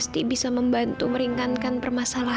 dan bisa berjalan kembali